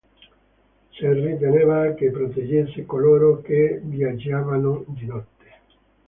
Si riteneva che proteggesse coloro che viaggiavano di notte.